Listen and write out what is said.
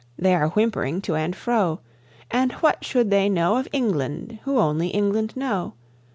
They are whimpering to and fro And what should they know of England who only England know?